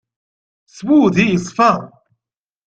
S wudi yeṣfa.